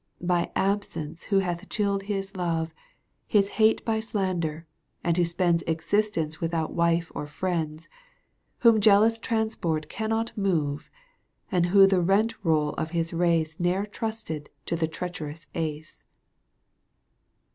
By absence who hath chilled his love, His hate by slander, and who spends Existence without wife or friends, Whom jealous transport cannot move, And who the rent roll of his race Ne'er trusted to the treacherous ace.